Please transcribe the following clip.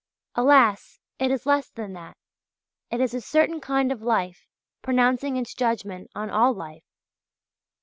Alas! it is less than that: it is a certain kind of life pronouncing its judgment on all life.